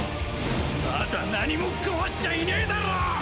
まだ何も壊せちゃいねぇだろ！